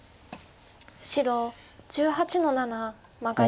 白１８の七マガリ。